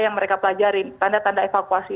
yang mereka pelajari tanda tanda evakuasi